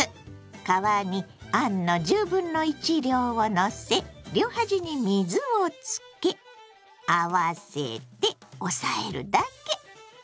皮にあんの量をのせ両端に水をつけ合わせて押さえるだけ！